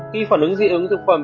khi phản ứng dị ứng thực phẩm